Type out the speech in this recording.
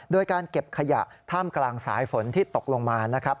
โดยการเก็บขยะท่ามกลางสายฝนที่ตกลงมานะครับ